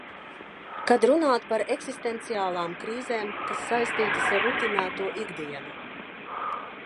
Kad runāt par eksistenciālām krīzēm, kas saistītas ar rutinēto ikdienu.